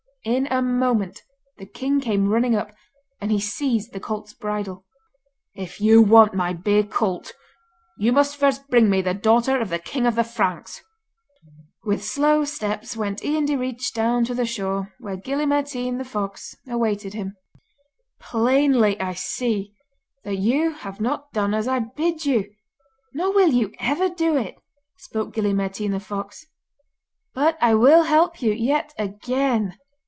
In a moment the king came running up, and he seized the colt's bridle. 'If you want my bay colt, you must first bring me the daughter of the king of the Franks.' With slow steps went Ian Direach down to the shore where Gille Mairtean the fox awaited him. 'Plainly I see that you have not done as I bid you, nor will you ever do it,' spoke Gille Mairtean the fox; 'but I will help you yet again.